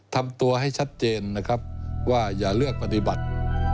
ทำตัวให้ชัดเจนนะครับว่าอย่าเลือกปฏิบัติ